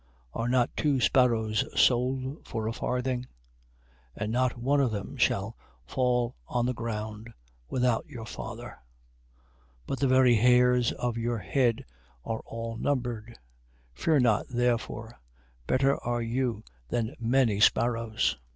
10:29. Are not two sparrows sold for a farthing? and not one of them shall fall on the ground without your Father. 10:30. But the very hairs of your head are all numbered. 10:31. Fear not therefore: better are you than many sparrows.